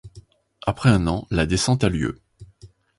Après un an, la descente a lieu.